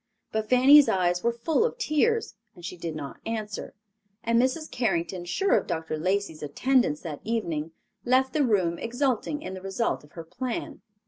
But Fanny's eyes were full of tears, and she did not answer; and Mrs. Carrington, sure of Dr. Lacey's attendance that evening, left the room exulting in the result of her plan.